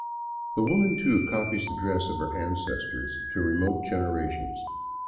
The woman, too, copies the dress of her ancestors to remote genera tions.